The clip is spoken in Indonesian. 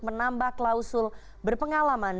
menambah klausul berpengalaman